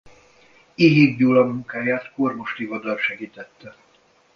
Éhik Gyula munkáját Kormos Tivadar segítette.